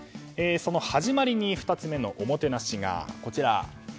その始まりに２つ目のおもてなしが。